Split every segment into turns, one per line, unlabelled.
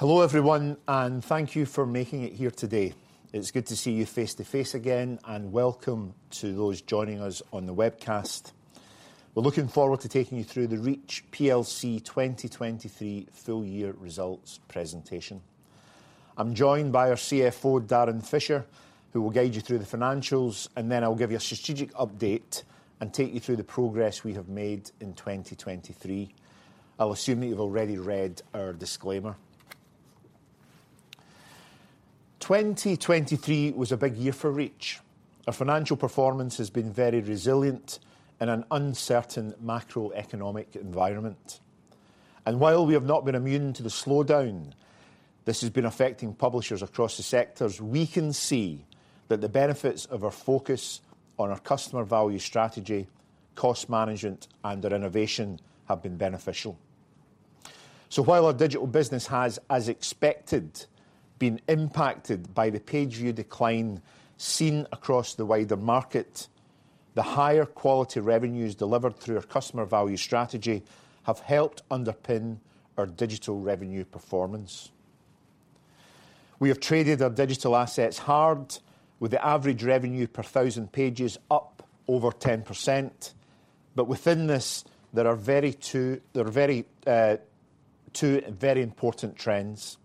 Hello, everyone, and thank you for making it here today. It's good to see you face to face again, and welcome to those joining us on the webcast. We're looking forward to taking you through the Reach plc 2023 full year results presentation. I'm joined by our CFO, Darren Fisher, who will guide you through the financials, and then I'll give you a strategic update and take you through the progress we have made in 2023. I'll assume that you've already read our disclaimer. 2023 was a big year for Reach. Our financial performance has been very resilient in an uncertain macroeconomic environment. While we have not been immune to the slowdown, this has been affecting publishers across the sectors. We can see that the benefits of our focus on our customer value strategy, cost management, and our innovation have been beneficial. So while our digital business has, as expected, been impacted by the page view decline seen across the wider market, the higher quality revenues delivered through our customer value strategy have helped underpin our digital revenue performance. We have traded our digital assets hard, with the average revenue per thousand pages up over 10%. But within this, there are two very important trends.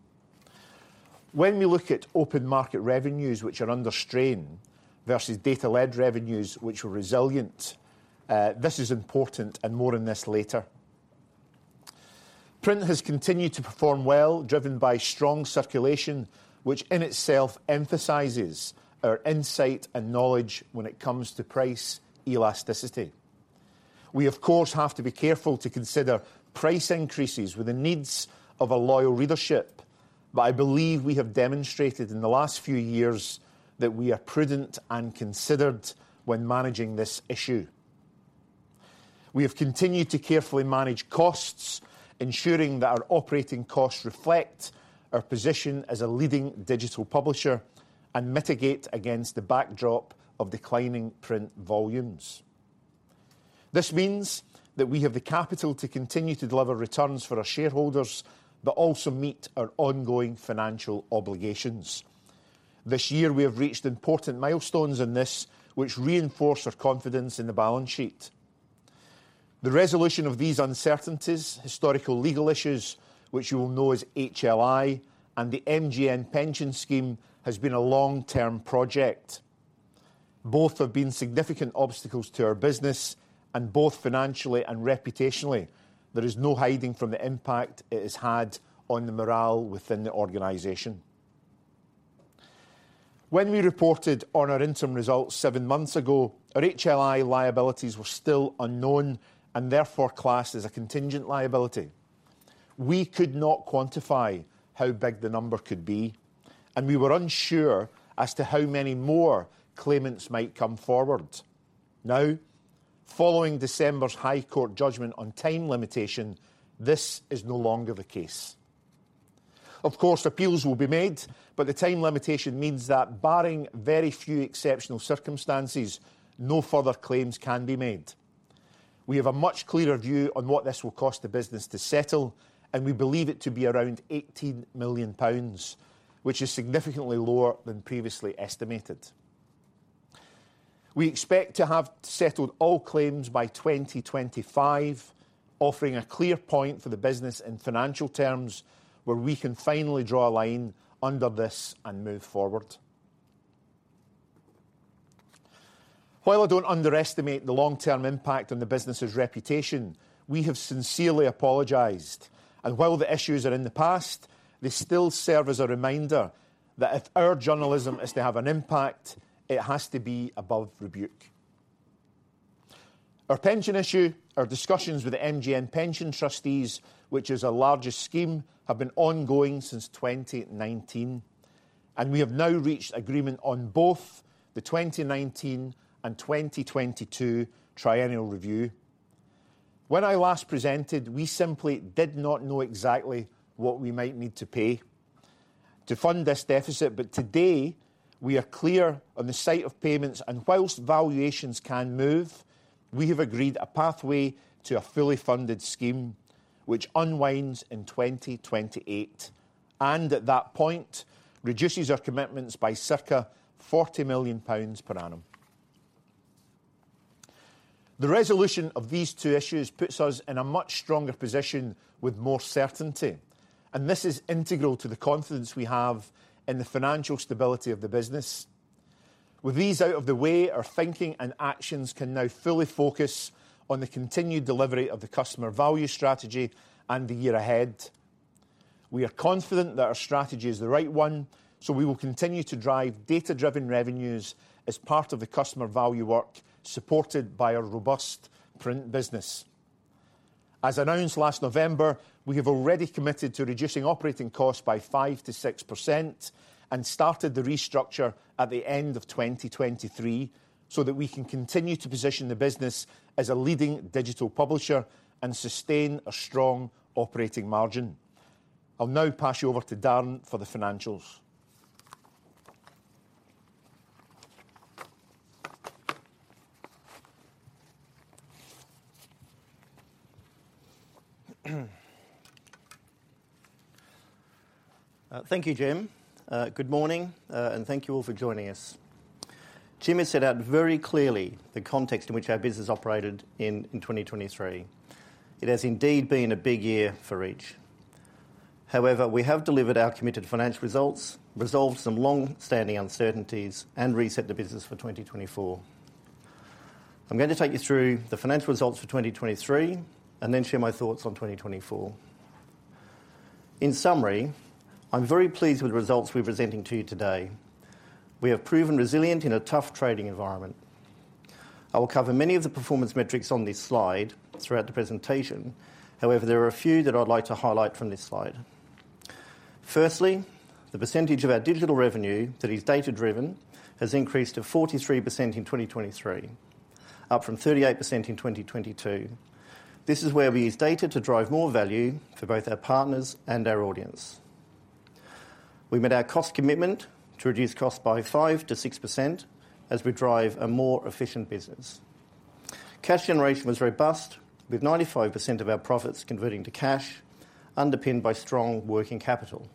When we look at open market revenues, which are under strain, versus data-led revenues, which were resilient, this is important, and more on this later. Print has continued to perform well, driven by strong circulation, which in itself emphasizes our insight and knowledge when it comes to price elasticity. We, of course, have to be careful to consider price increases with the needs of a loyal readership, but I believe we have demonstrated in the last few years that we are prudent and considered when managing this issue. We have continued to carefully manage costs, ensuring that our operating costs reflect our position as a leading digital publisher and mitigate against the backdrop of declining print volumes. This means that we have the capital to continue to deliver returns for our shareholders, but also meet our ongoing financial obligations. This year, we have reached important milestones in this, which reinforce our confidence in the balance sheet. The resolution of these uncertainties, historical legal issues, which you will know as HLI, and the MGN pension scheme, has been a long-term project. Both have been significant obstacles to our business, and both financially and reputationally, there is no hiding from the impact it has had on the morale within the organization. When we reported on our interim results seven months ago, our HLI liabilities were still unknown and therefore classed as a contingent liability. We could not quantify how big the number could be, and we were unsure as to how many more claimants might come forward. Now, following December's High Court judgment on time limitation, this is no longer the case. Of course, appeals will be made, but the time limitation means that barring very few exceptional circumstances, no further claims can be made. We have a much clearer view on what this will cost the business to settle, and we believe it to be around 18 million pounds, which is significantly lower than previously estimated. We expect to have settled all claims by 2025, offering a clear point for the business in financial terms, where we can finally draw a line under this and move forward. While I don't underestimate the long-term impact on the business's reputation, we have sincerely apologized, and while the issues are in the past, they still serve as a reminder that if our journalism is to have an impact, it has to be above rebuke. Our pension issue, our discussions with the MGN pension trustees, which is our largest scheme, have been ongoing since 2019, and we have now reached agreement on both the 2019 and 2022 triennial review. When I last presented, we simply did not know exactly what we might need to pay to fund this deficit, but today we are clear on the size of payments, and while valuations can move, we have agreed a pathway to a fully funded scheme, which unwinds in 2028, and at that point, reduces our commitments by circa 40 million pounds per annum. The resolution of these two issues puts us in a much stronger position with more certainty, and this is integral to the confidence we have in the financial stability of the business. With these out of the way, our thinking and actions can now fully focus on the continued delivery of the customer value strategy and the year ahead. We are confident that our strategy is the right one, so we will continue to drive data-driven revenues as part of the customer value work, supported by our robust print business. As announced last November, we have already committed to reducing operating costs by 5%-6% and started the restructure at the end of 2023, so that we can continue to position the business as a leading digital publisher and sustain a strong operating margin. I'll now pass you over to Darren for the financials.
Thank you, Jim. Good morning, and thank you all for joining us. Jim has set out very clearly the context in which our business operated in 2023. It has indeed been a big year for Reach. However, we have delivered our committed financial results, resolved some long-standing uncertainties, and reset the business for 2024. I'm going to take you through the financial results for 2023 and then share my thoughts on 2024. In summary, I'm very pleased with the results we're presenting to you today. We have proven resilient in a tough trading environment. I will cover many of the performance metrics on this slide throughout the presentation. However, there are a few that I'd like to highlight from this slide. Firstly, the percentage of our digital revenue that is data-driven has increased to 43% in 2023, up from 38% in 2022. This is where we use data to drive more value for both our partners and our audience. We met our cost commitment to reduce costs by 5-6% as we drive a more efficient business. Cash generation was robust, with 95% of our profits converting to cash, underpinned by strong working capital.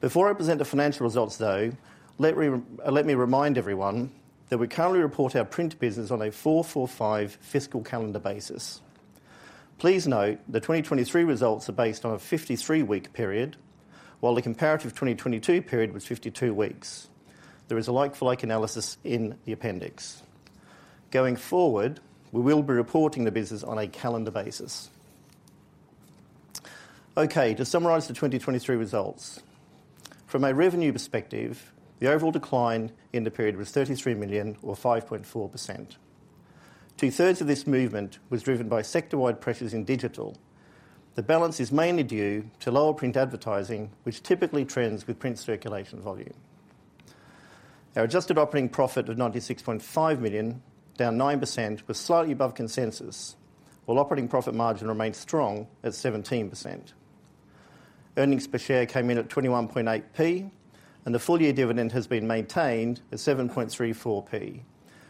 Before I present the financial results, though, let me remind everyone that we currently report our print business on a 4/4/5 fiscal calendar basis. Please note, the 2023 results are based on a 53-week period, while the comparative 2022 period was 52 weeks. There is a like-for-like analysis in the appendix. Going forward, we will be reporting the business on a calendar basis. Okay, to summarize the 2023 results. From a revenue perspective, the overall decline in the period was 33 million or 5.4%. Two-thirds of this movement was driven by sector-wide pressures in digital. The balance is mainly due to lower print advertising, which typically trends with print circulation volume. Our adjusted operating profit was 96.5 million, down 9%, but slightly above consensus, while operating profit margin remains strong at 17%. Earnings per share came in at 21.8p, and the full-year dividend has been maintained at 7.34p,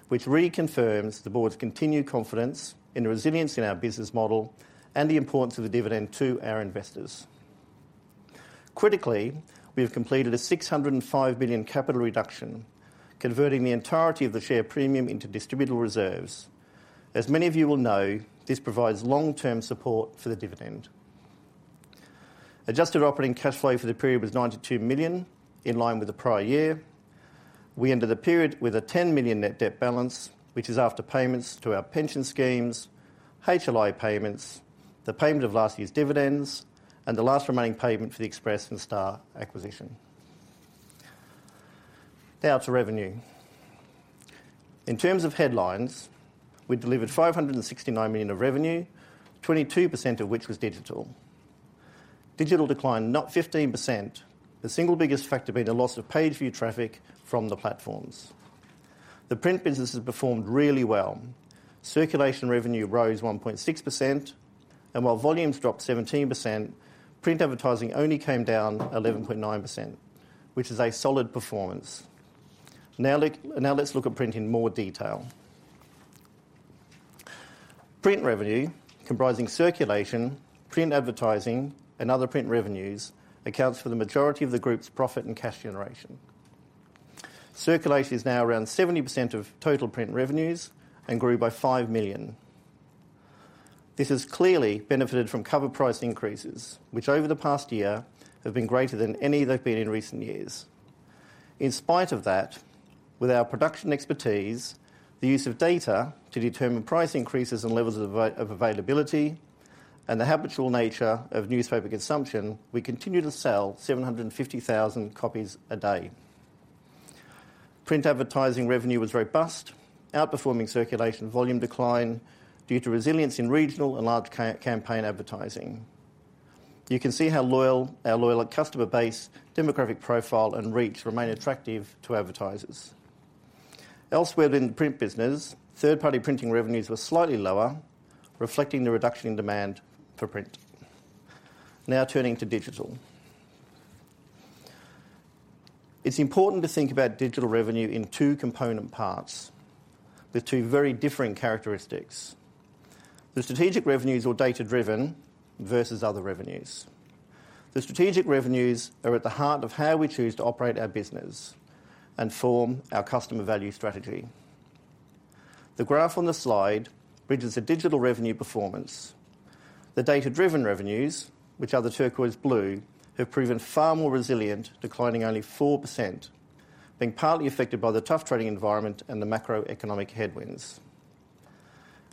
which reconfirms the board's continued confidence in the resilience in our business model and the importance of the dividend to our investors. Critically, we have completed a 605 million capital reduction, converting the entirety of the share premium into distributable reserves. As many of you will know, this provides long-term support for the dividend. Adjusted operating cash flow for the period was 92 million, in line with the prior year. We ended the period with a 10 million net debt balance, which is after payments to our pension schemes, HLI payments, the payment of last year's dividends, and the last remaining payment for the Express and Star acquisition. Now to revenue. In terms of headlines, we delivered 569 million of revenue, 22% of which was digital. Digital declined 15%, the single biggest factor being a loss of page view traffic from the platforms. The print business has performed really well. Circulation revenue rose 1.6%, and while volumes dropped 17%, print advertising only came down 11.9%, which is a solid performance. Now let's look at print in more detail. Print revenue, comprising circulation, print advertising, and other print revenues, accounts for the majority of the group's profit and cash generation. Circulation is now around 70% of total print revenues and grew by 5 million. This has clearly benefited from cover price increases, which over the past year have been greater than any they've been in recent years. In spite of that, with our production expertise, the use of data to determine price increases and levels of availability, and the habitual nature of newspaper consumption, we continue to sell 750,000 copies a day. Print advertising revenue was robust, outperforming circulation volume decline due to resilience in regional and large campaign advertising. You can see how loyal, our loyal customer base, demographic profile, and reach remain attractive to advertisers. Elsewhere in the print business, third-party printing revenues were slightly lower, reflecting the reduction in demand for print. Now turning to digital. It's important to think about digital revenue in two component parts with two very differing characteristics. The strategic revenues or data-driven versus other revenues. The strategic revenues are at the heart of how we choose to operate our business and form our customer value strategy. The graph on the slide bridges the digital revenue performance. The data-driven revenues, which are the turquoise blue, have proven far more resilient, declining only 4%, being partly affected by the tough trading environment and the macroeconomic headwinds.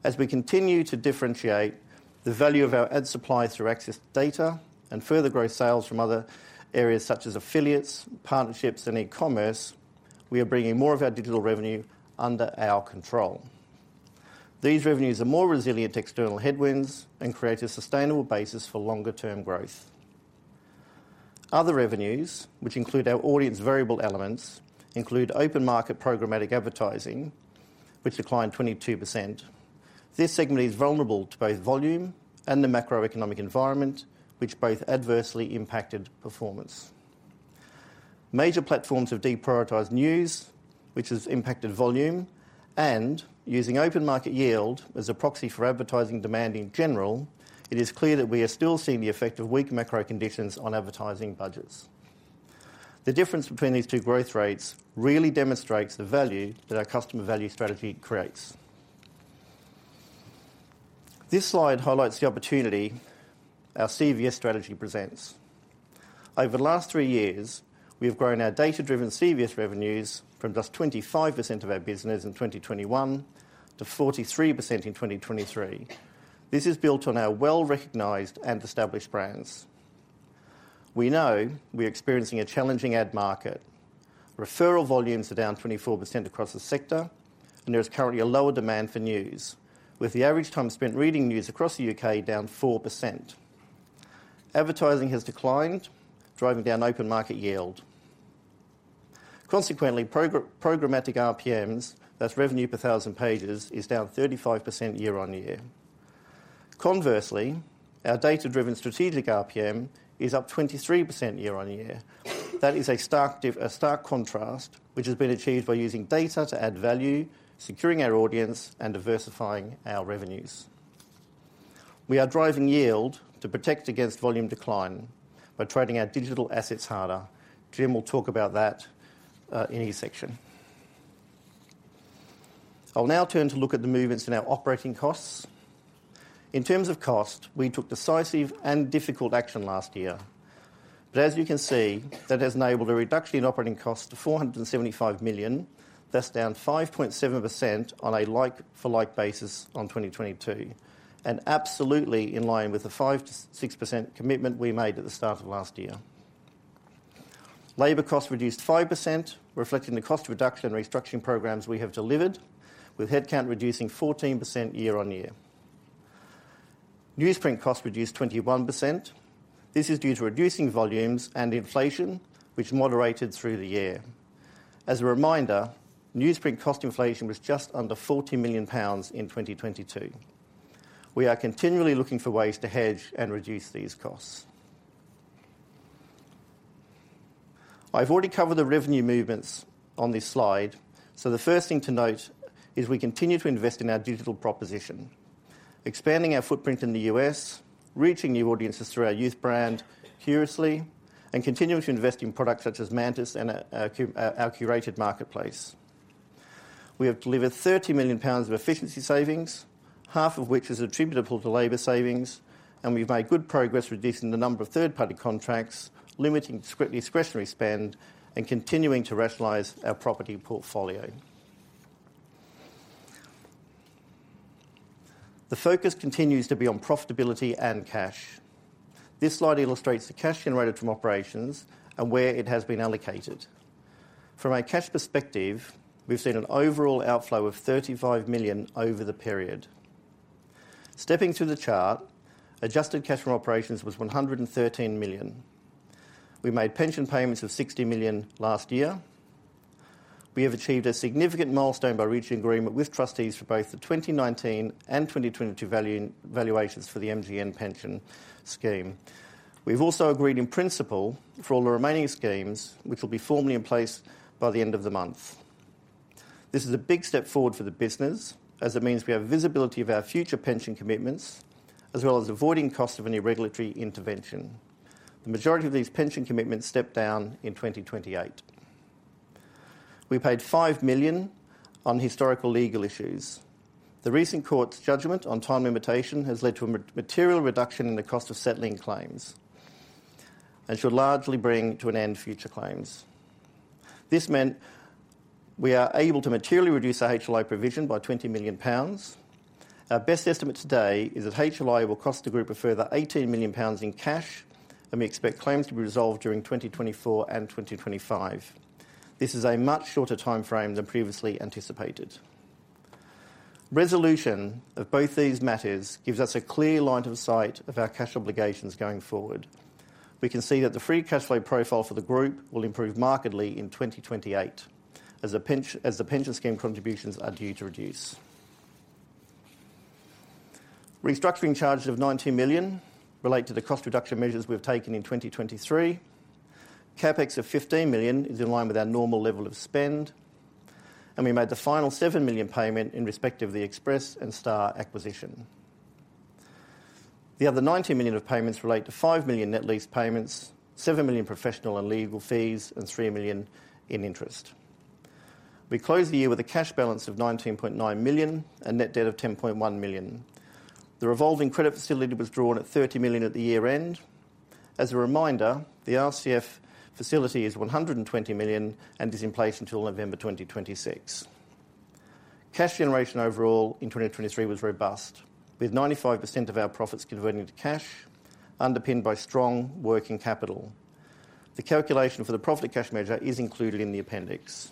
As we continue to differentiate the value of our ad supply through access to data and further grow sales from other areas such as affiliates, partnerships, and e-commerce, we are bringing more of our digital revenue under our control. These revenues are more resilient to external headwinds and create a sustainable basis for longer-term growth. Other revenues, which include our audience variable elements, include open market programmatic advertising, which declined 22%. This segment is vulnerable to both volume and the macroeconomic environment, which both adversely impacted performance... Major platforms have deprioritized news, which has impacted volume, and using open market yield as a proxy for advertising demand in general, it is clear that we are still seeing the effect of weak macro conditions on advertising budgets. The difference between these two growth rates really demonstrates the value that our customer value strategy creates. This slide highlights the opportunity our CVS strategy presents. Over the last three years, we have grown our data-driven CVS revenues from just 25% of our business in 2021 to 43% in 2023. This is built on our well-recognized and established brands. We know we're experiencing a challenging ad market. Referral volumes are down 24% across the sector, and there is currently a lower demand for news, with the average time spent reading news across the UK down 4%. Advertising has declined, driving down open market yield. Consequently, programmatic RPMs, that's revenue per thousand pages, is down 35% year-on-year. Conversely, our data-driven strategic RPM is up 23% year-on-year. That is a stark contrast, which has been achieved by using data to add value, securing our audience, and diversifying our revenues. We are driving yield to protect against volume decline by trading our digital assets harder. Jim will talk about that in his section. I'll now turn to look at the movements in our operating costs. In terms of cost, we took decisive and difficult action last year. But as you can see, that has enabled a reduction in operating costs to 475 million, thus down 5.7% on a like-for-like basis on 2022, and absolutely in line with the 5%-6% commitment we made at the start of last year. Labor costs reduced 5%, reflecting the cost reduction and restructuring programs we have delivered, with headcount reducing 14% year-on-year. Newsprint costs reduced 21%. This is due to reducing volumes and inflation, which moderated through the year. As a reminder, newsprint cost inflation was just under 40 million pounds in 2022. We are continually looking for ways to hedge and reduce these costs. I've already covered the revenue movements on this slide, so the first thing to note is we continue to invest in our digital proposition, expanding our footprint in the U.S., reaching new audiences through our youth brand, Curiously, and continuing to invest in products such as Mantis and our curated marketplace. We have delivered 30 million pounds of efficiency savings, half of which is attributable to labor savings, and we've made good progress reducing the number of third-party contracts, limiting discretionary spend, and continuing to rationalize our property portfolio. The focus continues to be on profitability and cash. This slide illustrates the cash generated from operations and where it has been allocated. From a cash perspective, we've seen an overall outflow of 35 million over the period. Stepping through the chart, adjusted cash from operations was 113 million. We made pension payments of 60 million last year. We have achieved a significant milestone by reaching agreement with trustees for both the 2019 and 2022 valuations for the MGN pension scheme. We've also agreed in principle for all the remaining schemes, which will be formally in place by the end of the month. This is a big step forward for the business, as it means we have visibility of our future pension commitments, as well as avoiding cost of any regulatory intervention. The majority of these pension commitments step down in 2028. We paid 5 million on historical legal issues. The recent court's judgment on time limitation has led to a material reduction in the cost of settling claims and should largely bring to an end future claims. This meant we are able to materially reduce our HLI provision by 20 million pounds. Our best estimate today is that HLI will cost the group a further 18 million pounds in cash, and we expect claims to be resolved during 2024 and 2025. This is a much shorter timeframe than previously anticipated. Resolution of both these matters gives us a clear line of sight of our cash obligations going forward. We can see that the free cash flow profile for the group will improve markedly in 2028, as the pension scheme contributions are due to reduce. Restructuring charges of 90 million relate to the cost reduction measures we've taken in 2023. CapEx of 15 million is in line with our normal level of spend, and we made the final 7 million payment in respect of the Express and Star acquisition. The other 90 million of payments relate to 5 million net lease payments, 7 million professional and legal fees, and 3 million in interest. We closed the year with a cash balance of 19.9 million and net debt of 10.1 million. The revolving credit facility was drawn at 30 million at the year-end. As a reminder, the RCF facility is 120 million and is in place until November 2026. Cash generation overall in 2023 was robust, with 95% of our profits converting to cash, underpinned by strong working capital. The calculation for the profit cash measure is included in the appendix.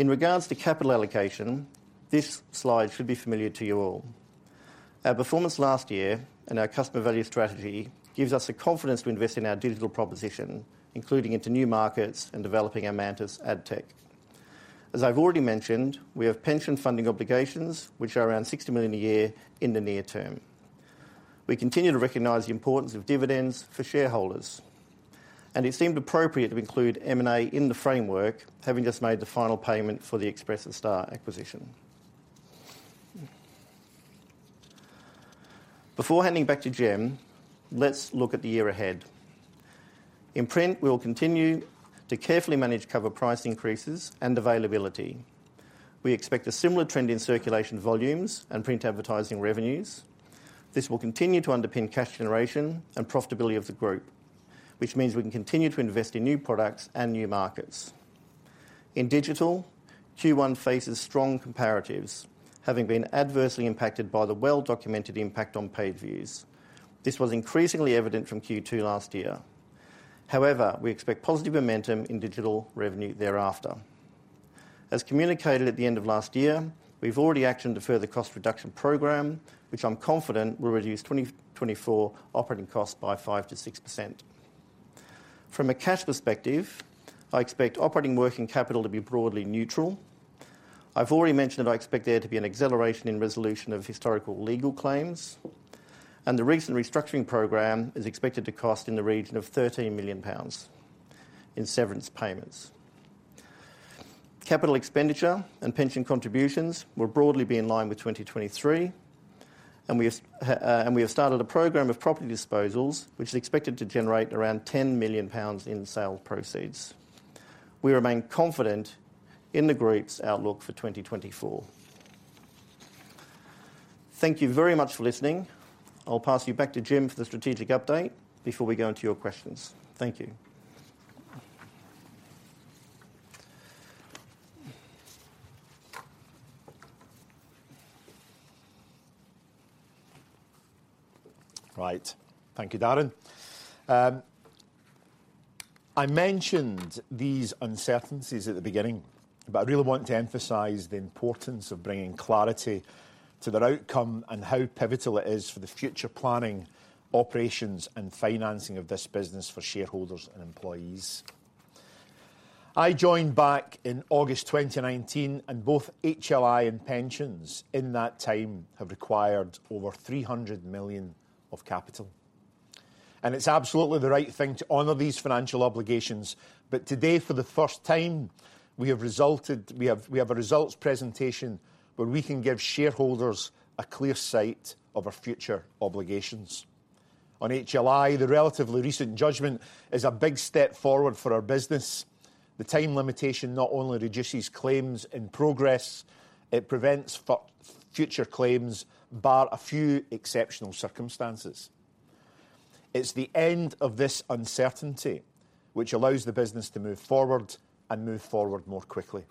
In regards to capital allocation, this slide should be familiar to you all. Our performance last year and our customer value strategy gives us the confidence to invest in our digital proposition, including into new markets and developing our Mantis AdTech. As I've already mentioned, we have pension funding obligations, which are around 60 million a year in the near term. We continue to recognize the importance of dividends for shareholders, and it seemed appropriate to include M&A in the framework, having just made the final payment for the Express and Star acquisition. Before handing back to Jim, let's look at the year ahead. In print, we will continue to carefully manage cover price increases and availability. We expect a similar trend in circulation volumes and print advertising revenues. This will continue to underpin cash generation and profitability of the group, which means we can continue to invest in new products and new markets. In digital, Q1 faces strong comparatives, having been adversely impacted by the well-documented impact on page views. This was increasingly evident from Q2 last year. However, we expect positive momentum in digital revenue thereafter. As communicated at the end of last year, we've already actioned a further cost reduction program, which I'm confident will reduce 2024 operating costs by 5%-6%. From a cash perspective, I expect operating working capital to be broadly neutral. I've already mentioned that I expect there to be an acceleration in resolution of historical legal claims, and the recent restructuring program is expected to cost in the region of 13 million pounds in severance payments. Capital expenditure and pension contributions will broadly be in line with 2023, and we have, and we have started a program of property disposals, which is expected to generate around 10 million pounds in sale proceeds. We remain confident in the group's outlook for 2024. Thank you very much for listening. I'll pass you back to Jim for the strategic update before we go into your questions. Thank you.
Right. Thank you, Darren. I mentioned these uncertainties at the beginning, but I really want to emphasize the importance of bringing clarity to their outcome and how pivotal it is for the future planning, operations, and financing of this business for shareholders and employees. I joined back in August 2019, and both HLI and pensions in that time have required over 300 million of capital, and it's absolutely the right thing to honor these financial obligations. But today, for the first time, we have a results presentation where we can give shareholders a clear sight of our future obligations. On HLI, the relatively recent judgment is a big step forward for our business. The time limitation not only reduces claims in progress, it prevents future claims, bar a few exceptional circumstances. It's the end of this uncertainty which allows the business to move forward and move forward more quickly.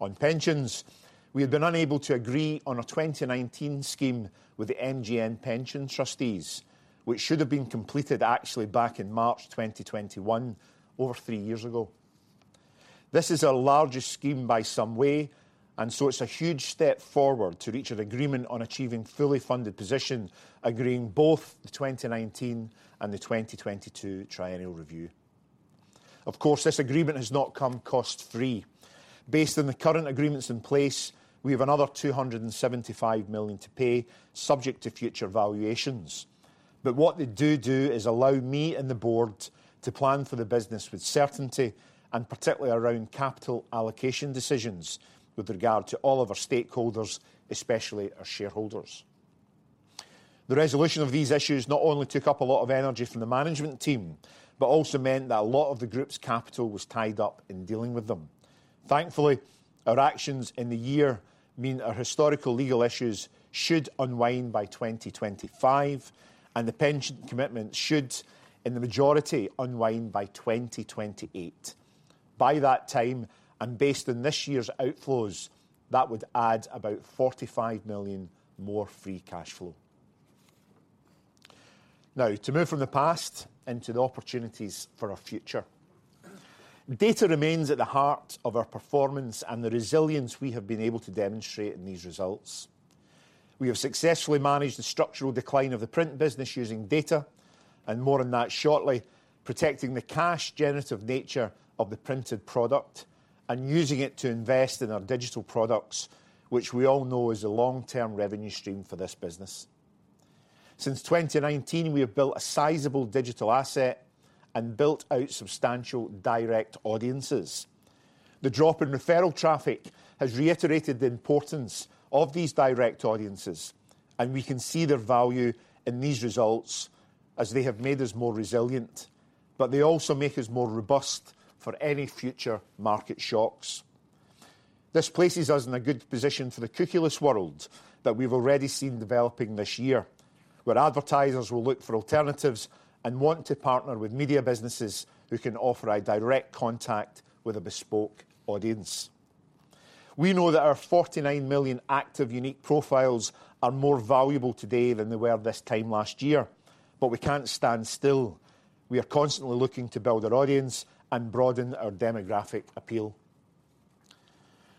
On pensions, we have been unable to agree on a 2019 scheme with the MGN pension trustees, which should have been completed actually back in March 2021, over three years ago. This is our largest scheme by some way, and so it's a huge step forward to reach an agreement on achieving fully funded position, agreeing both the 2019 and the 2022 triennial review. Of course, this agreement has not come cost-free. Based on the current agreements in place, we have another 275 million to pay, subject to future valuations. But what they do do is allow me and the board to plan for the business with certainty, and particularly around capital allocation decisions with regard to all of our stakeholders, especially our shareholders. The resolution of these issues not only took up a lot of energy from the management team, but also meant that a lot of the group's capital was tied up in dealing with them. Thankfully, our actions in the year mean our historical legal issues should unwind by 2025, and the pension commitment should, in the majority, unwind by 2028. By that time, and based on this year's outflows, that would add about 45 million more free cash flow. Now, to move from the past into the opportunities for our future. Data remains at the heart of our performance and the resilience we have been able to demonstrate in these results. We have successfully managed the structural decline of the print business using data, and more on that shortly, protecting the cash generative nature of the printed product and using it to invest in our digital products, which we all know is a long-term revenue stream for this business. Since 2019, we have built a sizable digital asset and built out substantial direct audiences. The drop in referral traffic has reiterated the importance of these direct audiences, and we can see their value in these results as they have made us more resilient, but they also make us more robust for any future market shocks. This places us in a good position for the cookieless world that we've already seen developing this year, where advertisers will look for alternatives and want to partner with media businesses who can offer a direct contact with a bespoke audience. We know that our 49 million active unique profiles are more valuable today than they were this time last year, but we can't stand still. We are constantly looking to build our audience and broaden our demographic appeal.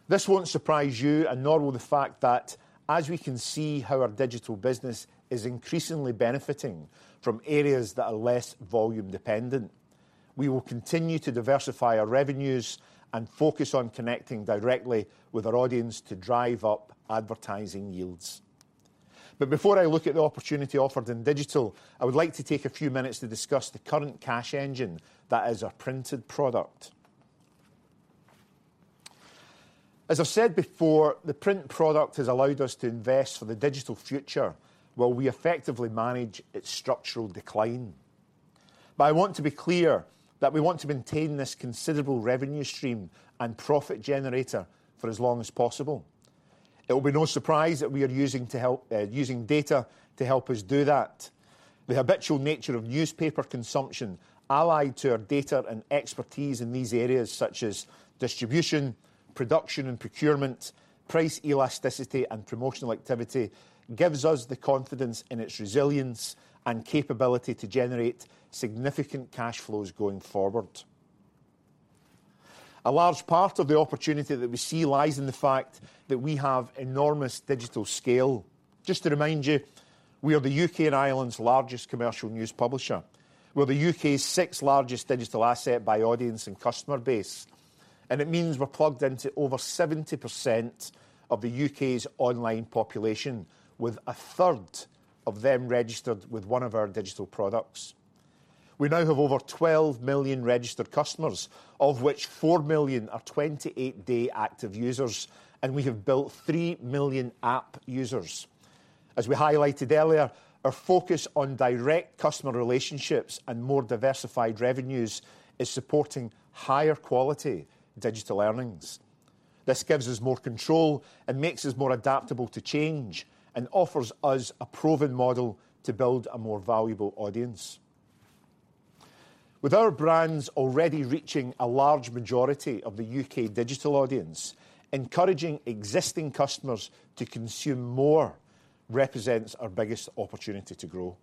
This won't surprise you, and nor will the fact that as we can see how our digital business is increasingly benefiting from areas that are less volume dependent, we will continue to diversify our revenues and focus on connecting directly with our audience to drive up advertising yields. But before I look at the opportunity offered in digital, I would like to take a few minutes to discuss the current cash engine that is our printed product. As I've said before, the print product has allowed us to invest for the digital future, while we effectively manage its structural decline. I want to be clear that we want to maintain this considerable revenue stream and profit generator for as long as possible. It will be no surprise that we are using to help, using data to help us do that. The habitual nature of newspaper consumption, allied to our data and expertise in these areas, such as distribution, production, and procurement, price elasticity, and promotional activity, gives us the confidence in its resilience and capability to generate significant cash flows going forward. A large part of the opportunity that we see lies in the fact that we have enormous digital scale. Just to remind you, we are the UK and Ireland's largest commercial news publisher. We're the UK's sixth largest digital asset by audience and customer base, and it means we're plugged into over 70% of the UK's online population, with a third of them registered with one of our digital products. We now have over 12 million registered customers, of which 4 million are 28-day active users, and we have built 3 million app users. As we highlighted earlier, our focus on direct customer relationships and more diversified revenues is supporting higher quality digital earnings. This gives us more control and makes us more adaptable to change, and offers us a proven model to build a more valuable audience. With our brands already reaching a large majority of the UK digital audience, encouraging existing customers to consume more represents our biggest opportunity to grow.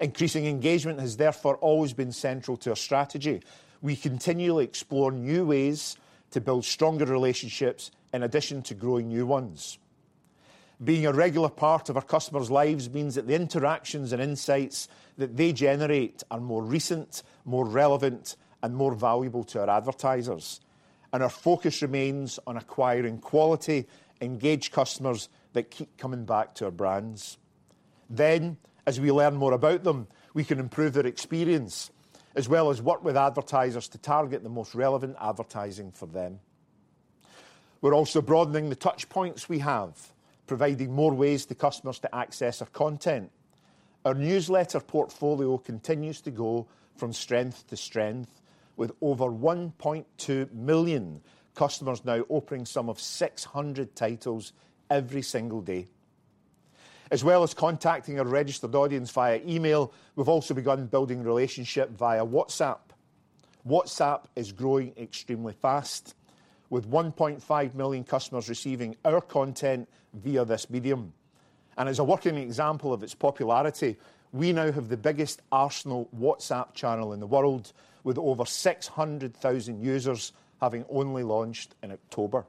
Increasing engagement has therefore always been central to our strategy. We continually explore new ways to build stronger relationships in addition to growing new ones. Being a regular part of our customers' lives means that the interactions and insights that they generate are more recent, more relevant, and more valuable to our advertisers, and our focus remains on acquiring quality, engaged customers that keep coming back to our brands. Then, as we learn more about them, we can improve their experience, as well as work with advertisers to target the most relevant advertising for them. We're also broadening the touchpoints we have, providing more ways to customers to access our content. Our newsletter portfolio continues to go from strength to strength, with over 1.2 million customers now opening some of 600 titles every single day. As well as contacting our registered audience via email, we've also begun building relationship via WhatsApp. WhatsApp is growing extremely fast, with 1.5 million customers receiving our content via this medium. As a working example of its popularity, we now have the biggest Arsenal WhatsApp channel in the world, with over 600,000 users, having only launched in October.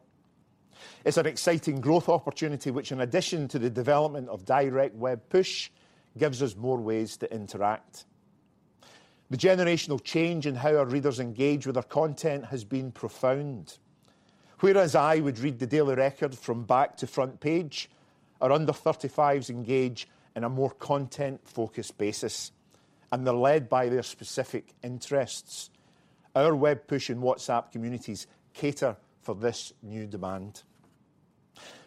It's an exciting growth opportunity, which, in addition to the development of direct web push, gives us more ways to interact. The generational change in how our readers engage with our content has been profound. Whereas I would read the Daily Record from back to front page, our under 35s engage in a more content-focused basis, and they're led by their specific interests. Our web push and WhatsApp communities cater for this new demand.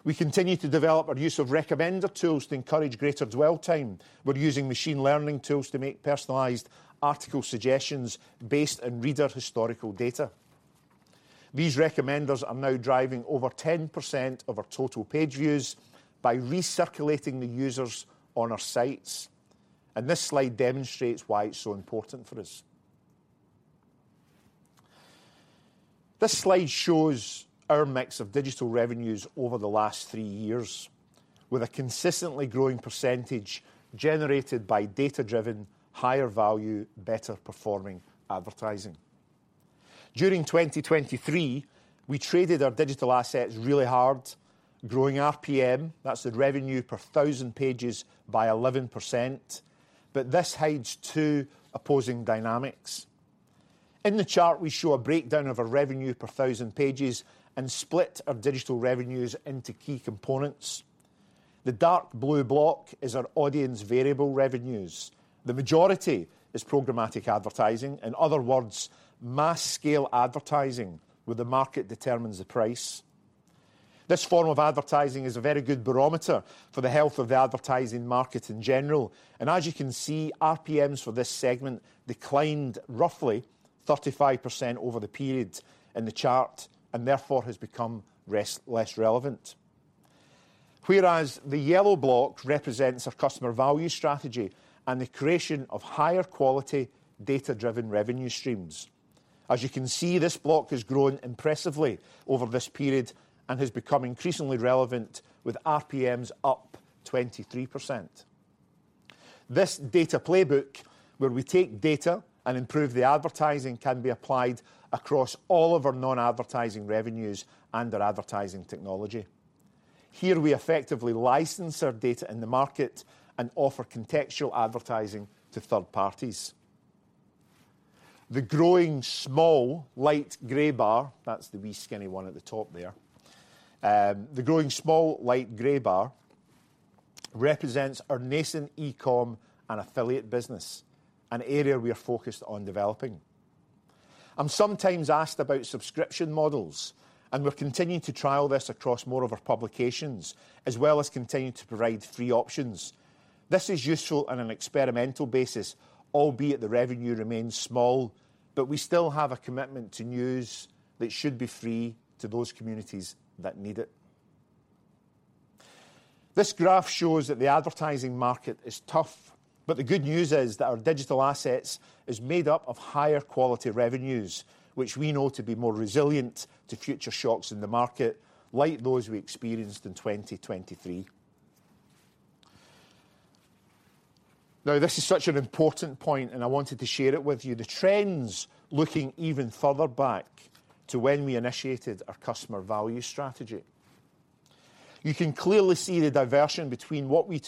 We continue to develop our use of recommender tools to encourage greater dwell time. We're using machine learning tools to make personalized article suggestions based on reader historical data. These recommenders are now driving over 10% of our total page views by recirculating the users on our sites, and this slide demonstrates why it's so important for us. This slide shows our mix of digital revenues over the last 3 years, with a consistently growing percentage generated by data-driven, higher value, better performing advertising. During 2023, we traded our digital assets really hard, growing RPM, that's the revenue per 1,000 pages, by 11%, but this hides two opposing dynamics. In the chart, we show a breakdown of our revenue per 1,000 pages and split our digital revenues into key components. The dark blue block is our audience variable revenues. The majority is programmatic advertising. In other words, mass scale advertising, where the market determines the price. This form of advertising is a very good barometer for the health of the advertising market in general, and as you can see, RPMs for this segment declined roughly 35% over the period in the chart and therefore has become less relevant. Whereas the yellow block represents our customer value strategy and the creation of higher quality, data-driven revenue streams. As you can see, this block has grown impressively over this period and has become increasingly relevant, with RPMs up 23%.... This data playbook, where we take data and improve the advertising, can be applied across all of our non-advertising revenues and our advertising technology. Here, we effectively license our data in the market and offer contextual advertising to third parties. The growing small light gray bar, that's the wee skinny one at the top there. The growing small light gray bar represents our nascent e-com and affiliate business, an area we are focused on developing. I'm sometimes asked about subscription models, and we're continuing to trial this across more of our publications, as well as continuing to provide free options. This is useful on an experimental basis, albeit the revenue remains small, but we still have a commitment to news that should be free to those communities that need it. This graph shows that the advertising market is tough, but the good news is that our digital assets is made up of higher quality revenues, which we know to be more resilient to future shocks in the market, like those we experienced in 2023. Now, this is such an important point, and I wanted to share it with you. The trends looking even further back to when we initiated our customer value strategy. You can clearly see the division between what we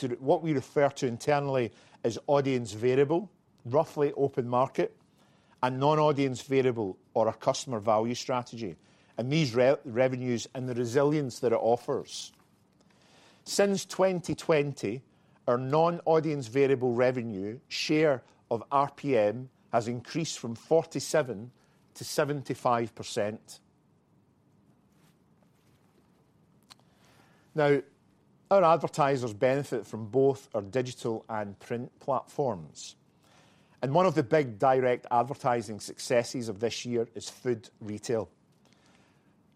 refer to internally as audience variable, roughly open market, and non-audience variable, or our customer value strategy, and these revenues and the resilience that it offers. Since 2020, our non-audience variable revenue share of RPM has increased from 47 to 75%. Now, our advertisers benefit from both our digital and print platforms, and one of the big direct advertising successes of this year is food retail.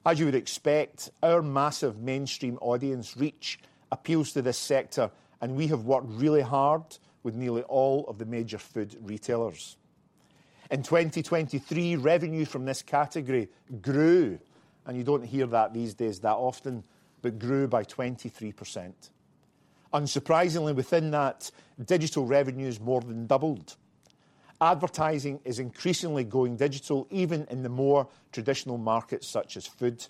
As you would expect, our massive mainstream audience reach appeals to this sector, and we have worked really hard with nearly all of the major food retailers. In 2023, revenue from this category grew, and you don't hear that these days that often, but grew by 23%. Unsurprisingly, within that, digital revenues more than doubled. Advertising is increasingly going digital, even in the more traditional markets, such as food.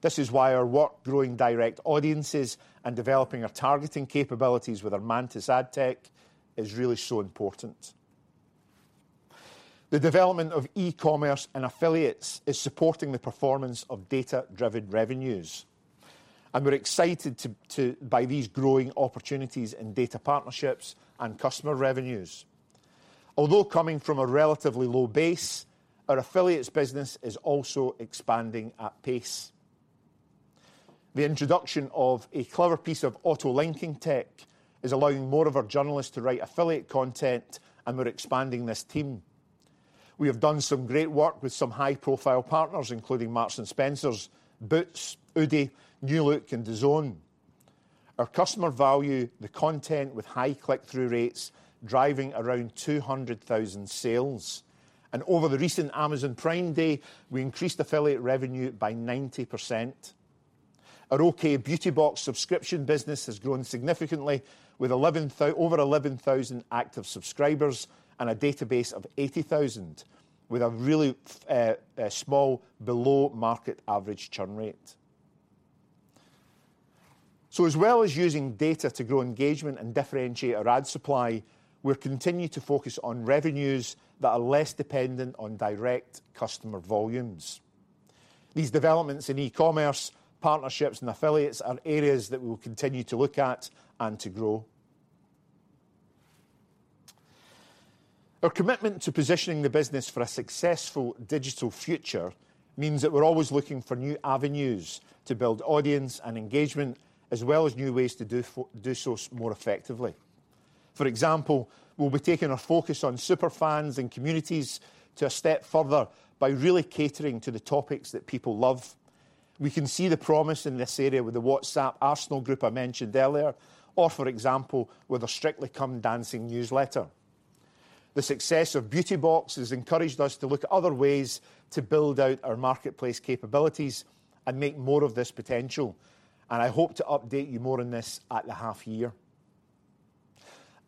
This is why our work growing direct audiences and developing our targeting capabilities with our Mantis ad tech is really so important. The development of e-commerce and affiliates is supporting the performance of data-driven revenues, and we're excited by these growing opportunities in data partnerships and customer revenues. Although coming from a relatively low base, our affiliates business is also expanding at pace. The introduction of a clever piece of auto-linking tech is allowing more of our journalists to write affiliate content, and we're expanding this team. We have done some great work with some high-profile partners, including Marks & Spencer, Boots, Oodie, New Look, and DAZN. Our customers value the content with high click-through rates, driving around 200,000 sales, and over the recent Amazon Prime Day, we increased affiliate revenue by 90%. Our OK! Beauty Box subscription business has grown significantly, with over 11,000 active subscribers and a database of 80,000, with a really small, below-market-average churn rate. So as well as using data to grow engagement and differentiate our ad supply, we're continuing to focus on revenues that are less dependent on direct customer volumes. These developments in e-commerce, partnerships, and affiliates are areas that we will continue to look at and to grow. Our commitment to positioning the business for a successful digital future means that we're always looking for new avenues to build audience and engagement, as well as new ways to do so more effectively. For example, we'll be taking our focus on super fans and communities to a step further by really catering to the topics that people love. We can see the promise in this area with the WhatsApp Arsenal group I mentioned earlier, or for example, with a Strictly Come Dancing newsletter. The success of Beauty Box has encouraged us to look at other ways to build out our marketplace capabilities and make more of this potential, and I hope to update you more on this at the half year.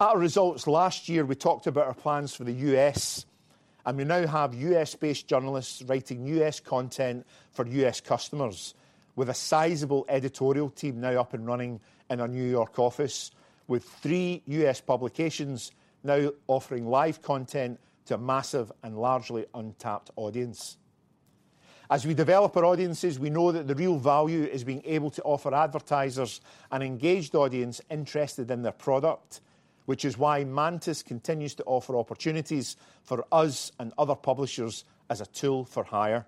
At our results last year, we talked about our plans for the U.S., and we now have U.S.-based journalists writing U.S. content for U.S. customers, with a sizable editorial team now up and running in our New York office, with three U.S. publications now offering live content to a massive and largely untapped audience. As we develop our audiences, we know that the real value is being able to offer advertisers an engaged audience interested in their product, which is why Mantis continues to offer opportunities for us and other publishers as a tool for hire.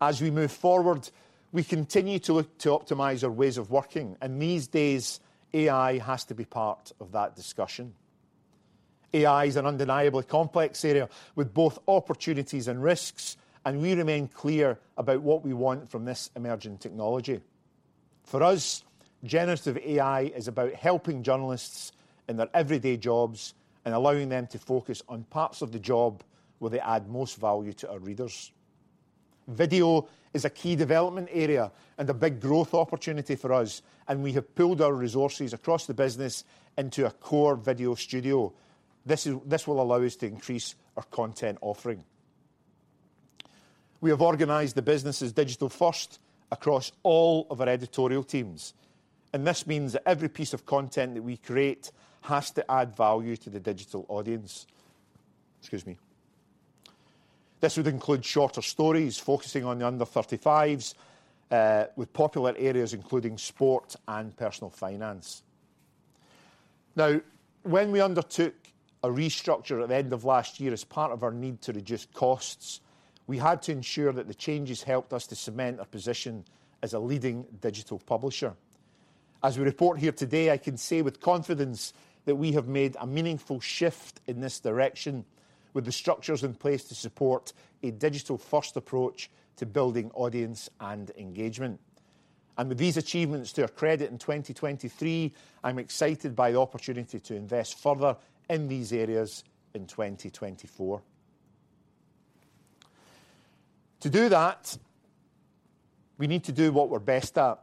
As we move forward, we continue to look to optimize our ways of working, and these days, AI has to be part of that discussion. AI is an undeniably complex area with both opportunities and risks, and we remain clear about what we want from this emerging technology. For us, generative AI is about helping journalists in their everyday jobs and allowing them to focus on parts of the job where they add most value to our readers. Video is a key development area and a big growth opportunity for us, and we have pooled our resources across the business into a core video studio. This will allow us to increase our content offering. We have organized the business as digital-first across all of our editorial teams, and this means that every piece of content that we create has to add value to the digital audience. Excuse me. This would include shorter stories focusing on the under 35s, with popular areas including sport and personal finance. Now, when we undertook a restructure at the end of last year as part of our need to reduce costs, we had to ensure that the changes helped us to cement our position as a leading digital publisher. As we report here today, I can say with confidence that we have made a meaningful shift in this direction, with the structures in place to support a digital-first approach to building audience and engagement. With these achievements to our credit in 2023, I'm excited by the opportunity to invest further in these areas in 2024. To do that, we need to do what we're best at,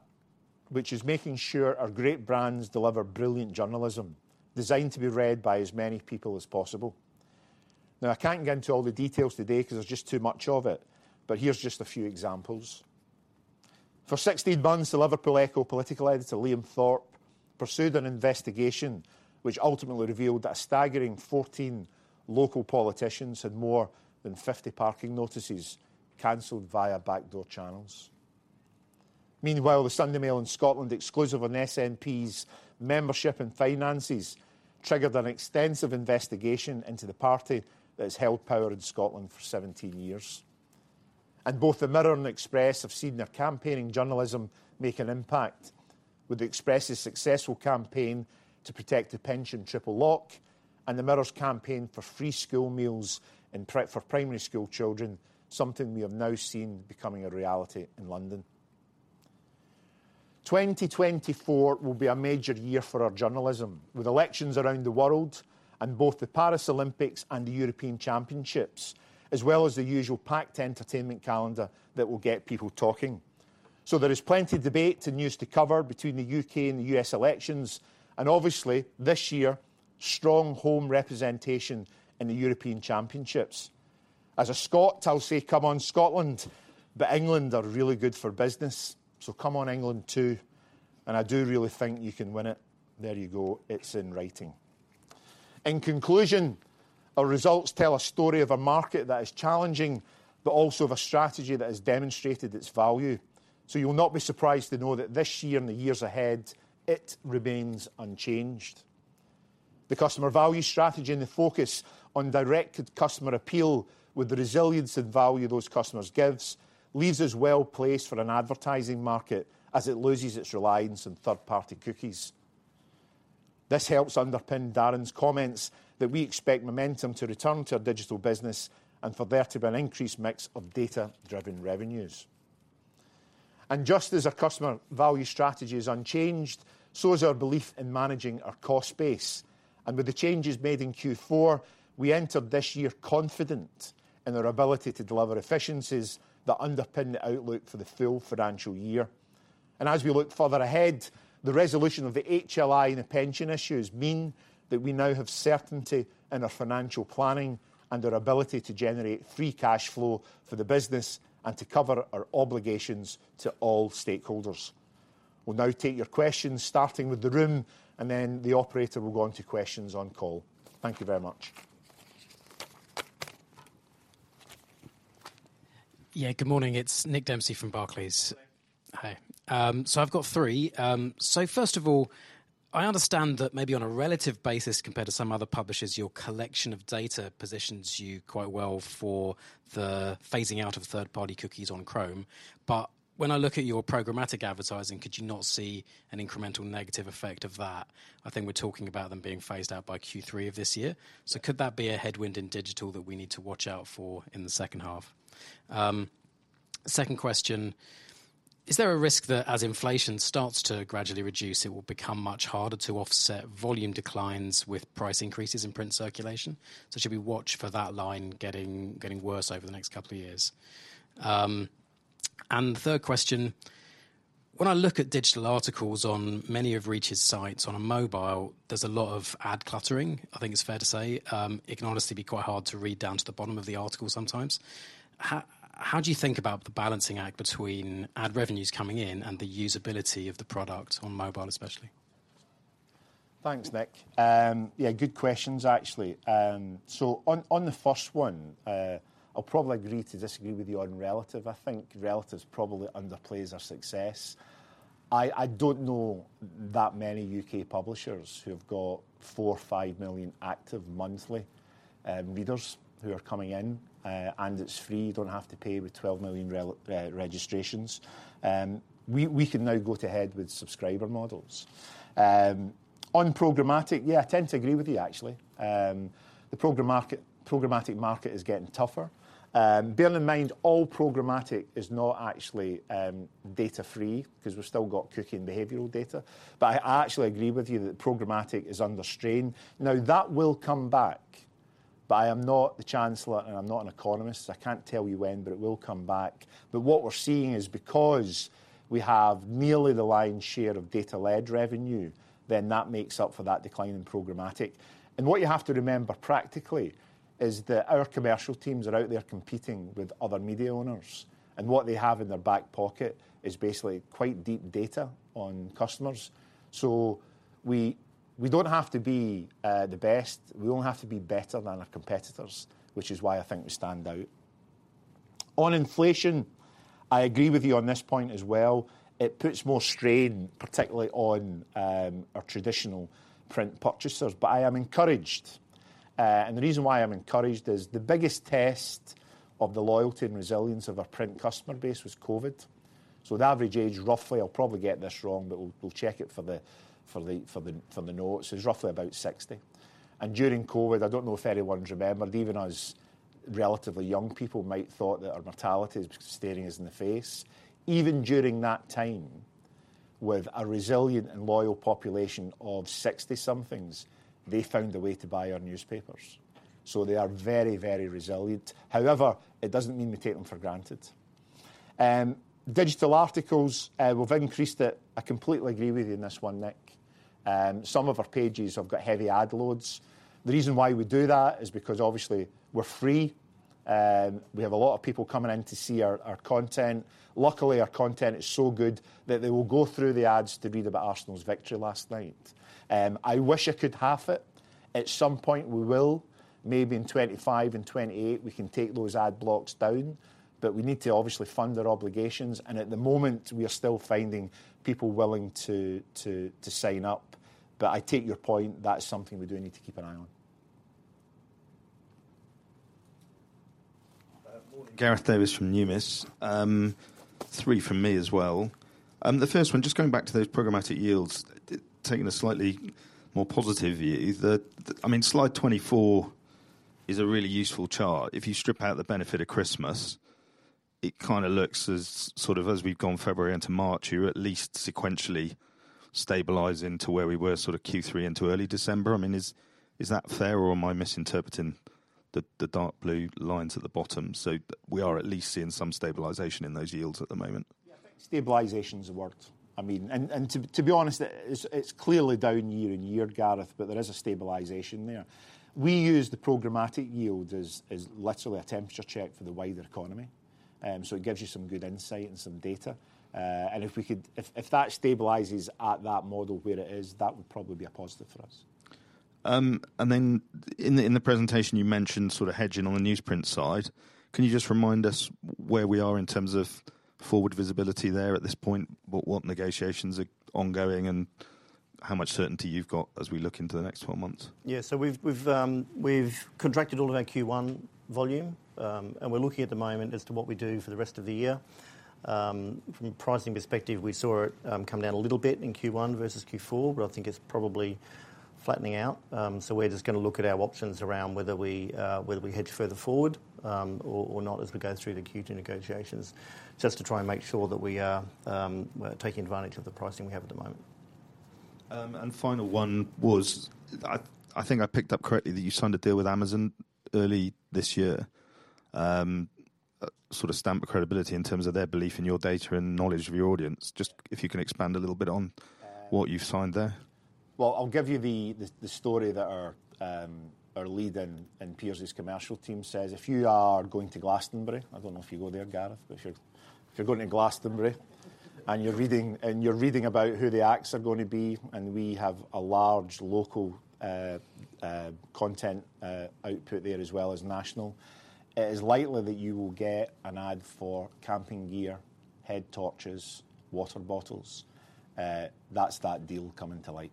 which is making sure our great brands deliver brilliant journalism, designed to be read by as many people as possible. Now, I can't get into all the details today because there's just too much of it, but here's just a few examples. For 16 months, the Liverpool Echo political editor, Liam Thorp, pursued an investigation which ultimately revealed that a staggering 14 local politicians had more than 50 parking notices canceled via backdoor channels. Meanwhile, the Sunday Mail in Scotland exclusive on SNP's membership and finances triggered an extensive investigation into the party that has held power in Scotland for 17 years. And both the Mirror and Express have seen their campaigning journalism make an impact, with the Express's successful campaign to protect the pension triple lock and the Mirror's campaign for free school meals for primary school children, something we have now seen becoming a reality in London. 2024 will be a major year for our journalism, with elections around the world and both the Paris Olympics and the European Championships, as well as the usual packed entertainment calendar that will get people talking. So there is plenty of debate and news to cover between the UK and the US elections, and obviously, this year, strong home representation in the European Championships. As a Scot, I'll say, "Come on, Scotland!" But England are really good for business, so come on, England, too, and I do really think you can win it. There you go. It's in writing. In conclusion, our results tell a story of a market that is challenging, but also of a strategy that has demonstrated its value. So you'll not be surprised to know that this year and the years ahead, it remains unchanged. The customer value strategy and the focus on direct customer appeal with the resilience and value those customers gives, leaves us well placed for an advertising market as it loses its reliance on third-party cookies. This helps underpin Darren's comments that we expect momentum to return to our digital business and for there to be an increased mix of data-driven revenues. And just as our customer value strategy is unchanged, so is our belief in managing our cost base. And with the changes made in Q4, we entered this year confident in our ability to deliver efficiencies that underpin the outlook for the full financial year. As we look further ahead, the resolution of the HLI and the pension issues mean that we now have certainty in our financial planning and our ability to generate free cash flow for the business and to cover our obligations to all stakeholders. We'll now take your questions, starting with the room, and then the operator will go on to questions on call. Thank you very much.
Yeah, good morning. It's Nick Dempsey from Barclays. Hi. So I've got three. So first of all, I understand that maybe on a relative basis, compared to some other publishers, your collection of data positions you quite well for the phasing out of third-party cookies on Chrome. But when I look at your programmatic advertising, could you not see an incremental negative effect of that? I think we're talking about them being phased out by Q3 of this year. So could that be a headwind in digital that we need to watch out for in the second half? Second question: Is there a risk that as inflation starts to gradually reduce, it will become much harder to offset volume declines with price increases in print circulation? So should we watch for that line getting, getting worse over the next couple of years? The third question: When I look at digital articles on many of Reach's sites on a mobile, there's a lot of ad cluttering, I think it's fair to say. It can honestly be quite hard to read down to the bottom of the article sometimes. How do you think about the balancing act between ad revenues coming in and the usability of the product on mobile, especially?
Thanks, Nick. Yeah, good questions, actually. So on the first one, I'll probably agree to disagree with you on relative. I think relative probably underplays our success. I don't know that many U.K. publishers who have got 4 or 5 million active monthly readers who are coming in, and it's free. You don't have to pay with 12 million registrations. We can now go to head with subscriber models. On programmatic, yeah, I tend to agree with you, actually. The programmatic market is getting tougher. Bearing in mind, all programmatic is not actually data-free because we've still got cookie and behavioral data. But I actually agree with you that programmatic is under strain. Now, that will come back.... I am not the chancellor and I'm not an economist, so I can't tell you when, but it will come back. What we're seeing is because we have nearly the lion's share of data-led revenue, then that makes up for that decline in programmatic. What you have to remember practically is that our commercial teams are out there competing with other media owners, and what they have in their back pocket is basically quite deep data on customers. We, we don't have to be, the best, we only have to be better than our competitors, which is why I think we stand out. On inflation, I agree with you on this point as well. It puts more strain, particularly on, our traditional print purchasers, but I am encouraged. And the reason why I'm encouraged is the biggest test of the loyalty and resilience of our print customer base was COVID. So the average age, roughly, I'll probably get this wrong, but we'll, we'll check it for the, for the, from the notes, is roughly about 60. And during COVID, I don't know if anyone remembered, even us relatively young people, might thought that our mortality is staring us in the face. Even during that time, with a resilient and loyal population of 60-somethings, they found a way to buy our newspapers. So they are very, very resilient. However, it doesn't mean we take them for granted. Digital articles, we've increased it. I completely agree with you on this one, Nick. Some of our pages have got heavy ad loads. The reason why we do that is because obviously we're free, and we have a lot of people coming in to see our content. Luckily, our content is so good that they will go through the ads to read about Arsenal's victory last night. I wish I could half it. At some point we will, maybe in 2025 and 2028, we can take those ad blocks down, but we need to obviously fund our obligations, and at the moment, we are still finding people willing to sign up. But I take your point, that is something we do need to keep an eye on.
Morning. Gareth Davies from Numis. Three from me as well. The first one, just going back to those programmatic yields, taking a slightly more positive view, the—I mean, slide 24 is a really useful chart. If you strip out the benefit of Christmas, it kind of looks as sort of as we've gone February into March, you're at least sequentially stabilizing to where we were, sort of Q3 into early December. I mean, is, is that fair, or am I misinterpreting the, the dark blue lines at the bottom? So we are at least seeing some stabilization in those yields at the moment.
Yeah, I think stabilization is the word. I mean, and to be honest, it's clearly down year and year, Gareth, but there is a stabilization there. We use the programmatic yield as literally a temperature check for the wider economy, so it gives you some good insight and some data. And if that stabilizes at that model where it is, that would probably be a positive for us.
In the presentation, you mentioned sort of hedging on the newsprint side. Can you just remind us where we are in terms of forward visibility there at this point? What negotiations are ongoing, and how much certainty you've got as we look into the next 12 months?
Yeah. So we've contracted all of our Q1 volume, and we're looking at the moment as to what we do for the rest of the year. From a pricing perspective, we saw it come down a little bit in Q1 versus Q4, but I think it's probably flattening out. So we're just going to look at our options around whether we hedge further forward, or not as we go through the Q2 negotiations, just to try and make sure that we are taking advantage of the pricing we have at the moment.
Final one was, I think I picked up correctly that you signed a deal with Amazon early this year, sort of stamp of credibility in terms of their belief in your data and knowledge of your audience. Just if you can expand a little bit on what you've signed there?
Well, I'll give you the story that our lead in Piers' commercial team says. If you are going to Glastonbury, I don't know if you go there, Gareth, but if you're going to Glastonbury, and you're reading about who the acts are going to be, and we have a large local content output there as well as national, it is likely that you will get an ad for camping gear, head torches, water bottles. That's that deal coming to light.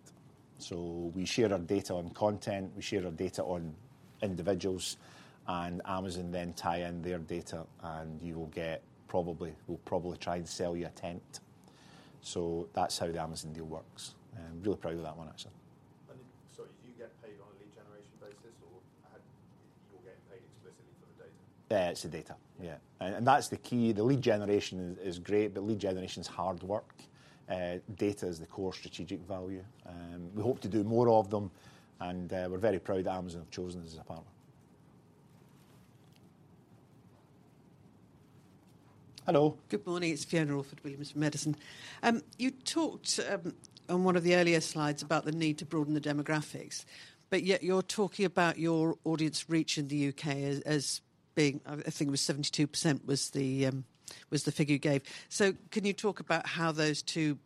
So we share our data on content, we share our data on individuals, and Amazon then tie in their data, and you will get probably - we'll probably try and sell you a tent. So that's how the Amazon deal works. I'm really proud of that one, actually.
And sorry, do you get paid on a lead generation basis, or, you're getting paid explicitly for the data?
It's the data, yeah. And that's the key. The lead generation is great, but lead generation is hard work. Data is the core strategic value, and we hope to do more of them, and we're very proud Amazon have chosen us as a partner. Hello.
Good morning. It's Fiona Orford-Williams from Edison. You talked on one of the earlier slides about the need to broaden the demographics, but yet you're talking about your audience reach in the UK as being, I think it was 72% was the figure you gave. So can you talk about how those two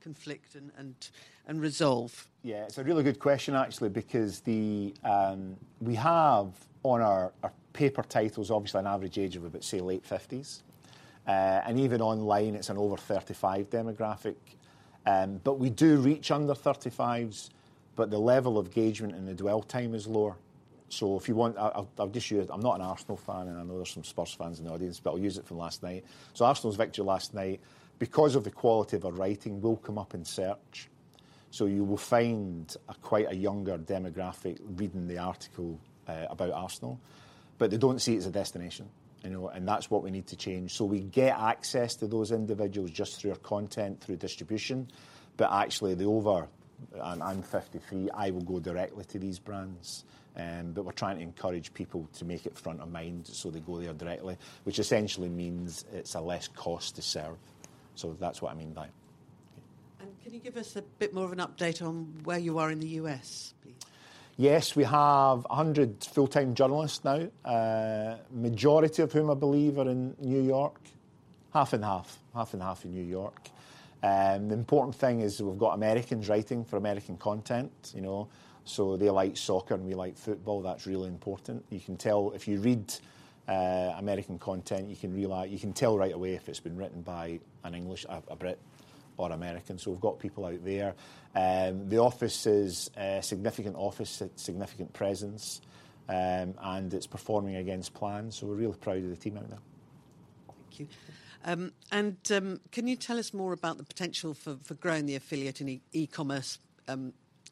conflict and resolve?
Yeah, it's a really good question, actually, because the... We have on our paper titles, obviously an average age of about, say, late fifties. And even online, it's an over 35 demographic. But we do reach under 35s, but the level of engagement and the dwell time is lower. So if you want, I'll just use... I'm not an Arsenal fan, and I know there's some Spurs fans in the audience, but I'll use it from last night. So Arsenal's victory last night, because of the quality of our writing, will come up in search, so you will find a quite a younger demographic reading the article about Arsenal... but they don't see it as a destination, you know, and that's what we need to change. So we get access to those individuals just through our content, through distribution. But actually, the over, and I'm 53, I will go directly to these brands, but we're trying to encourage people to make it front of mind, so they go there directly, which essentially means it's a less cost to serve. So that's what I mean by it.
Can you give us a bit more of an update on where you are in the U.S., please?
Yes, we have 100 full-time journalists now, majority of whom I believe are in New York. Half and half, half and half in New York. The important thing is we've got Americans writing for American content, you know, so they like soccer, and we like football. That's really important. You can tell, if you read American content, you can tell right away if it's been written by an English, a Brit or American. So we've got people out there. The office is a significant office, it's significant presence, and it's performing against plan, so we're really proud of the team out there.
Thank you. Can you tell us more about the potential for growing the affiliate in e-commerce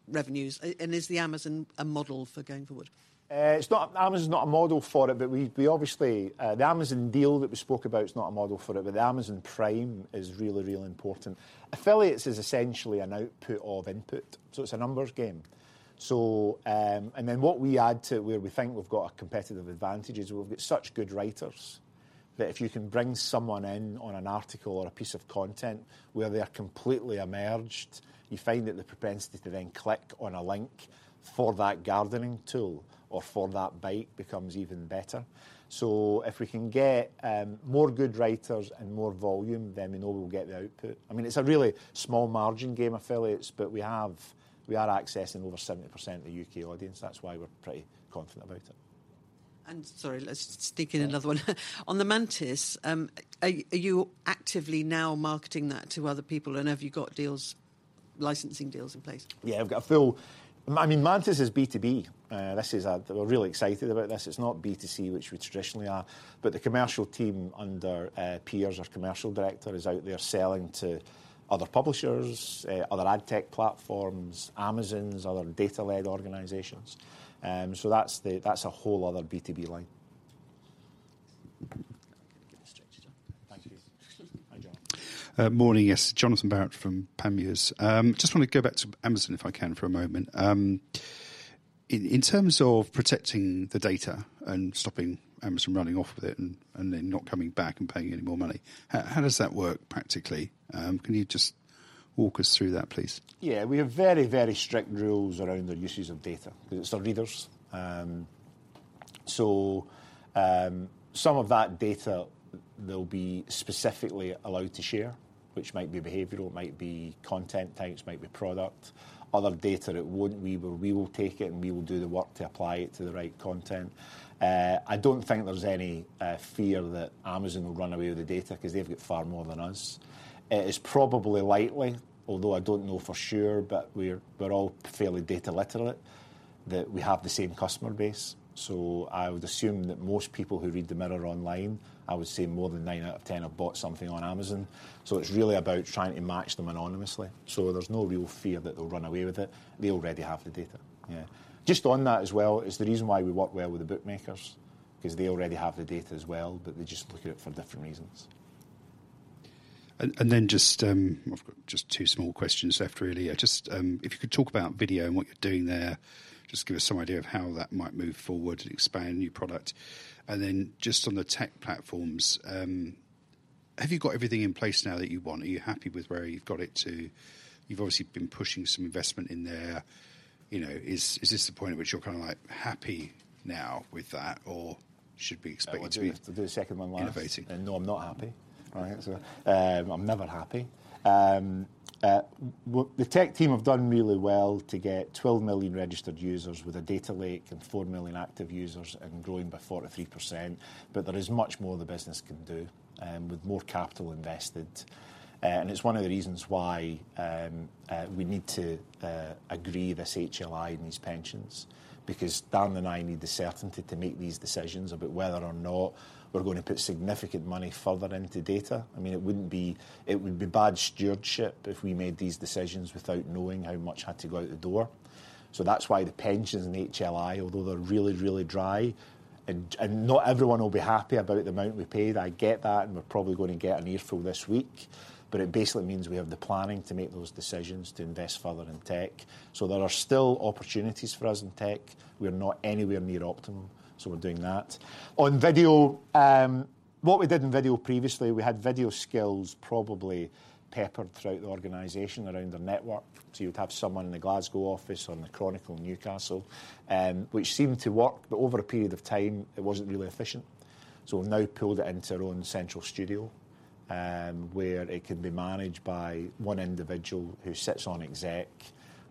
revenues? Is the Amazon a model for going forward?
It's not Amazon is not a model for it, but we, we obviously, the Amazon deal that we spoke about is not a model for it, but the Amazon Prime is really, really important. Affiliates is essentially an output of input, so it's a numbers game. And then what we add to where we think we've got a competitive advantage is we've got such good writers, that if you can bring someone in on an article or a piece of content where they are completely emerged, you find that the propensity to then click on a link for that gardening tool or for that bike becomes even better. So if we can get, more good writers and more volume, then we know we'll get the output. I mean, it's a really small margin game, affiliates, but we have, we are accessing over 70% of the U.K. audience. That's why we're pretty confident about it.
And sorry, let's stick in another one. On the Mantis, are you, are you actively now marketing that to other people, and have you got deals, licensing deals in place?
Yeah, we've got a full... I mean, Mantis is B2B. This is... We're really excited about this. It's not B2C, which we traditionally are, but the commercial team under Piers, our commercial director, is out there selling to other publishers, other ad tech platforms, Amazons, other data-led organizations. So that's the-- that's a whole other B2B line.
Okay, give the stretch to.
Thank you. Hi, John.
Morning, yes. Jonathan Barrett from Panmure. Just want to go back to Amazon, if I can, for a moment. In terms of protecting the data and stopping Amazon running off with it and then not coming back and paying any more money, how does that work practically? Can you just walk us through that, please?
Yeah, we have very, very strict rules around the uses of data. It's our readers. So, some of that data they'll be specifically allowed to share, which might be behavioral, it might be content types, might be product. Other data, it wouldn't, we will, we will take it, and we will do the work to apply it to the right content. I don't think there's any fear that Amazon will run away with the data because they've got far more than us. It is probably likely, although I don't know for sure, but we're, we're all fairly data literate, that we have the same customer base. So I would assume that most people who read The Mirror online, I would say more than nine out of ten have bought something on Amazon. So it's really about trying to match them anonymously. There's no real fear that they'll run away with it. They already have the data. Yeah. Just on that as well, is the reason why we work well with the bookmakers, because they already have the data as well, but they just look at it for different reasons.
I've got just two small questions left, really. Just, if you could talk about video and what you're doing there, just give us some idea of how that might move forward and expand new product. And then just on the tech platforms, have you got everything in place now that you want? Are you happy with where you've got it to? You've obviously been pushing some investment in there. You know, is this the point at which you're kind of like happy now with that or should be expected to be innovating?
Do the second one last. No, I'm not happy. All right, so, I'm never happy. Well, the tech team have done really well to get 12 million registered users with a data lake and 4 million active users and growing by 43%, but there is much more the business can do, with more capital invested. And it's one of the reasons why, we need to, agree this HLI and these pensions, because Darren and I need the certainty to make these decisions about whether or not we're going to put significant money further into data. I mean, it wouldn't be. It would be bad stewardship if we made these decisions without knowing how much had to go out the door. So that's why the pensions and HLI, although they're really, really dry, and not everyone will be happy about the amount we paid, I get that, and we're probably going to get an earful this week, but it basically means we have the planning to make those decisions to invest further in tech. So there are still opportunities for us in tech. We are not anywhere near optimum, so we're doing that. On video, what we did in video previously, we had video skills probably peppered throughout the organization around the network. So you'd have someone in the Glasgow office or in The Chronicle, Newcastle, which seemed to work, but over a period of time, it wasn't really efficient. So we've now pulled it into our own central studio, where it can be managed by one individual who sits on exec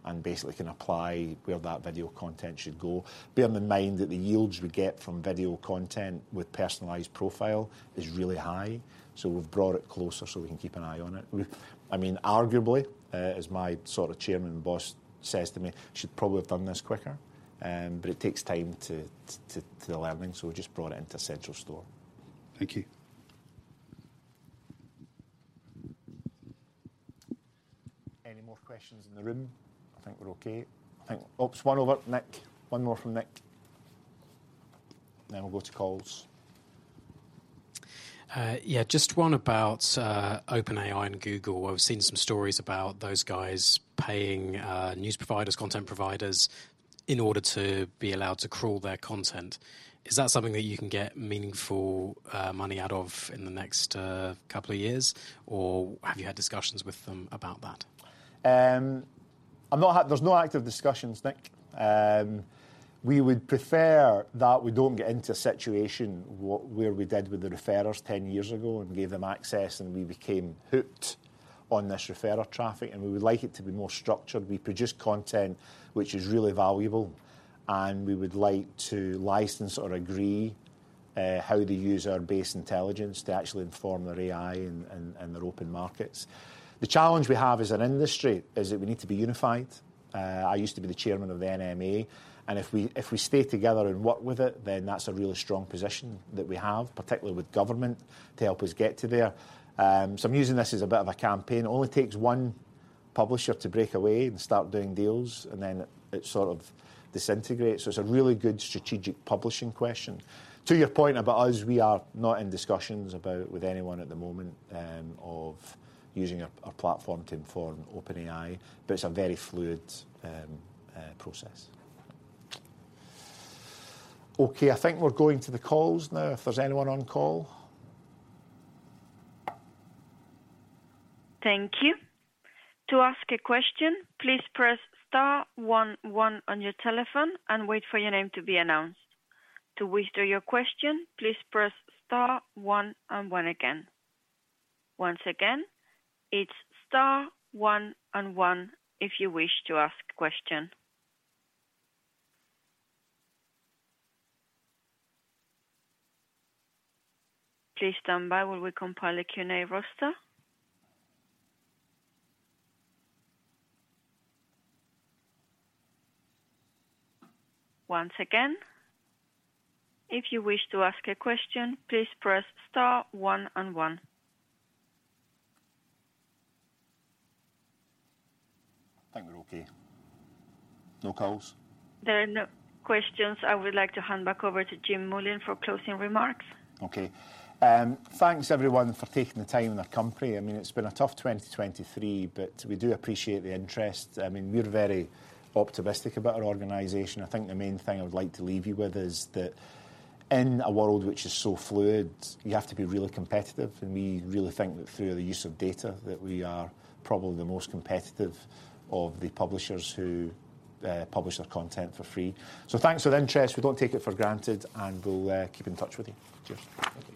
and basically can apply where that video content should go. Bear in mind that the yields we get from video content with personalized profile is really high, so we've brought it closer, so we can keep an eye on it. We, I mean, arguably, as my sort of chairman boss says to me: "Should probably have done this quicker," but it takes time to the learning, so we just brought it into central store.
Thank you.
...questions in the room? I think we're okay. I think, oops, one over, Nick. One more from Nick, then we'll go to calls.
Yeah, just one about OpenAI and Google. I've seen some stories about those guys paying news providers, content providers, in order to be allowed to crawl their content. Is that something that you can get meaningful money out of in the next couple of years, or have you had discussions with them about that?
There's no active discussions, Nick. We would prefer that we don't get into a situation where we did with the referrers ten years ago and gave them access, and we became hooked on this referrer traffic, and we would like it to be more structured. We produce content which is really valuable, and we would like to license or agree how to use our base intelligence to actually inform their AI and their open markets. The challenge we have as an industry is that we need to be unified. I used to be the chairman of the NMA, and if we stay together and work with it, then that's a really strong position that we have, particularly with government, to help us get to there. So I'm using this as a bit of a campaign. It only takes one publisher to break away and start doing deals, and then it sort of disintegrates. So it's a really good strategic publishing question. To your point about us, we are not in discussions about with anyone at the moment, of using our platform to inform OpenAI, but it's a very fluid process. Okay, I think we're going to the calls now, if there's anyone on call.
Thank you. To ask a question, please press star one one on your telephone and wait for your name to be announced. To withdraw your question, please press star one and one again. Once again, it's star one and one if you wish to ask a question. Please stand by while we compile a Q&A roster. Once again, if you wish to ask a question, please press star one and one.
I think we're okay. No calls?
There are no questions. I would like to hand back over to Jim Mullen for closing remarks.
Okay. Thanks, everyone, for taking the time in our company. I mean, it's been a tough 2023, but we do appreciate the interest. I mean, we're very optimistic about our organization. I think the main thing I would like to leave you with is that in a world which is so fluid, you have to be really competitive, and we really think that through the use of data, that we are probably the most competitive of the publishers who publish their content for free. So thanks for the interest. We don't take it for granted, and we'll keep in touch with you. Cheers. Thank you.